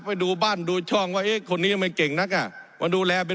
ไปดูบ้านดูช่องว่าเอ๊ะคนนี้ยังไม่เก่งนักอ่ะมาดูแลเป็น